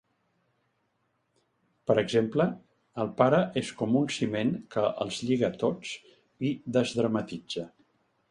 Per exemple, el pare és com un ciment que els lliga tots i desdramatitza.